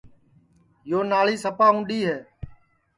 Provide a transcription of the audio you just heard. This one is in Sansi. یو ناݪی سپا اُںٚڈؔی ہے